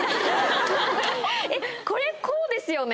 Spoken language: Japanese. これこうですよね？